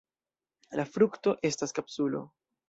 La frukto estas kapsulo.